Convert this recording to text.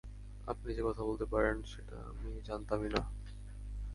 আপনি যে কথা বলতে পারেন, সেটাই আমি জানতাম না।